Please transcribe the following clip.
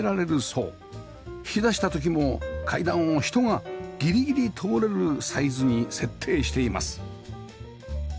引き出した時も階段を人がギリギリ通れるサイズに設定しています